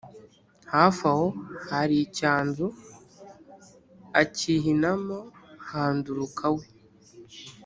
hafi aho hari icyanzu, akihinamo, handuruka we!